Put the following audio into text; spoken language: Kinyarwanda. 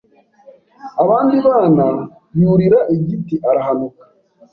abandi bana yurira igiti arahanuka